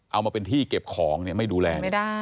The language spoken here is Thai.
เอามาเป็นที่เก็บของเนี่ยไม่ดูแล